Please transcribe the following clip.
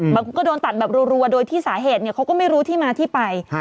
บางคนก็โดนตัดแบบรัวโดยที่สาเหตุเขาก็ไม่รู้ที่มาที่ไป